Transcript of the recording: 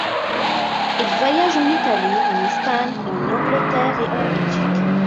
Il voyage en Italie, en Espagne, en Angleterre et en Belgique.